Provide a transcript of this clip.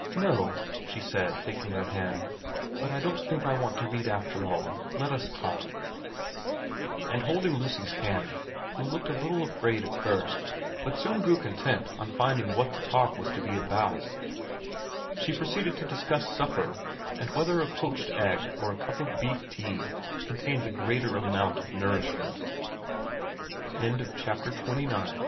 ' No,' she said, taking her hand. ' But I don't think I want to read after all. Let us talk.' And holding Lucy's hand, who looked a little afraid at first but soon grew content on finding what the talk was to be about, she proceeded to discuss supper, and whether a poached egg or a cup of beef tea contained the g